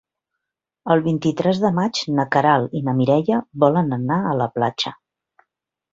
El vint-i-tres de maig na Queralt i na Mireia volen anar a la platja.